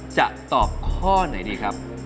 จะตอบข้อไหนดีครับ